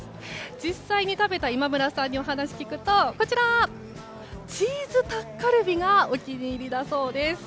実際に食べた今村さんにお話を聞くとチーズタッカルビがお気に入りだそうです。